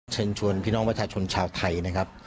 เชิญชวนพี่น้องประชาชนชาวไทยนะครับ